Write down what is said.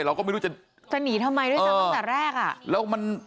เราก็ไม่รู้จะจะหนีทำไมด้วยซ้ำตั้งแต่แรกอ่ะแล้วมัน